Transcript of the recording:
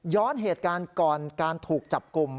เหตุการณ์ก่อนการถูกจับกลุ่ม